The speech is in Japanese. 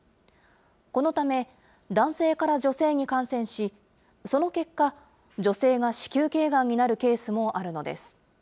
このため、男性から女性に感染し、その結果、女性が子宮けいがんになるケースもあるのです。